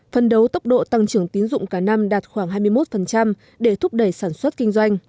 phân đấu tốc độ tăng trưởng tín dụng cả năm đạt khoảng hai mươi một để thúc đẩy sản xuất kinh doanh